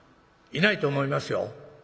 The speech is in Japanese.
いないと思いますよ。